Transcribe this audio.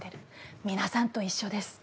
みなさんと一緒です。